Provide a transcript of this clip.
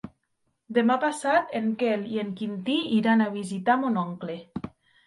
Demà passat en Quel i en Quintí iran a visitar mon oncle.